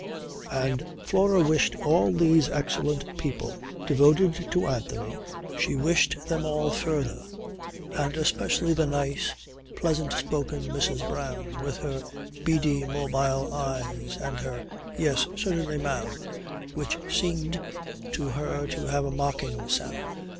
And Flora wished all these excellent people, devoted to Anthony, she wished them all further; and especially the nice, pleasant spoken Mrs. Brown with her beady, mobile eyes and her "Yes certainly, ma'am," which seemed to her to have a mocking sound.